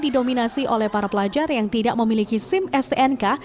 didominasi oleh para pelajar yang tidak memiliki sim stnk